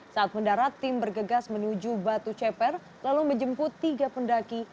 saat mendarat tim bergegas menuju batu ceper lalu menjemput tiga pendaki